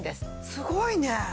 すごいね！